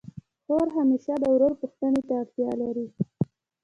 خور همېشه د ورور پوښتني ته اړتیا لري.